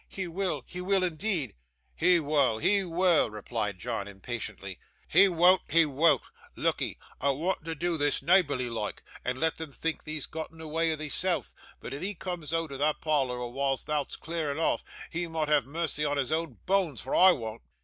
He will, he will indeed.' 'He wull, he wull!' replied John impatiently. 'He wean't, he wean't. Look'ee! I wont to do this neighbourly loike, and let them think thee's gotten awa' o' theeself, but if he cooms oot o' thot parlour awhiles theer't clearing off, he mun' have mercy on his oun boans, for I wean't.